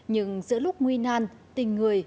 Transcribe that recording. nhưng giữa lúc nguy nan tình người